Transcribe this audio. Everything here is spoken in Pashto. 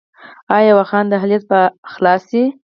آیا واخان دهلیز به خلاص شي؟